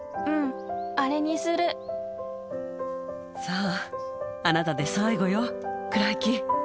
さぁあなたで最後よクライキー。